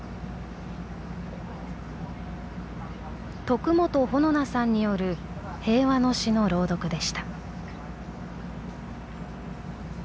徳元穂菜さんによる平和の詩の朗読でした。